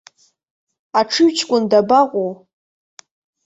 Аҽыҩҷкәын дабаҟоу?